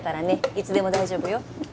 いつでも大丈夫よ